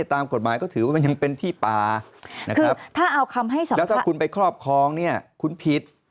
ตามกฎหมายก็ถือว่ามันยังเป็นที่ป่าแล้วถ้าคุณไปครอบครองคุณผิด